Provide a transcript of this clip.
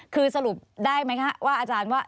คือสรุปได้ไหมคะว่าอาจารย์ว่า